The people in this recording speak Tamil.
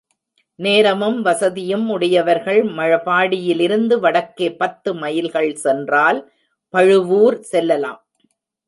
நேரமும் வசதியும் உடையவர்கள் மழபாடியிலிருந்து வடக்கே பத்து மைல்கள் சென்றால் பழுவூர் செல்லலாம்.